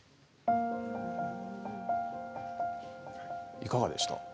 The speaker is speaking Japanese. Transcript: いかがでした？